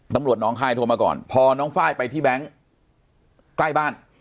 น้องคายโทรมาก่อนพอน้องไฟล์ไปที่แบงค์ใกล้บ้าน